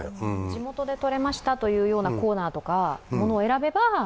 地元でとれましたというコーナーとか物を選べば。